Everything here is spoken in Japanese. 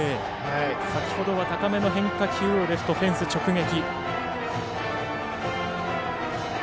先ほどは高めの変化球をレフトフェンス直撃。